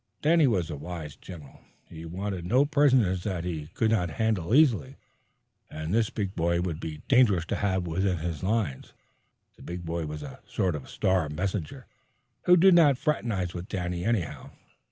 Danny was a wise general. He wanted no prisoners that he could not handle easily, and this big boy would be dangerous to have within his lines. The big boy was a sort of star messenger, who did not fraternize with Danny anyhow.